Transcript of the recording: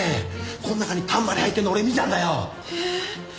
この中にたんまり入ってるの俺見たんだよ！え？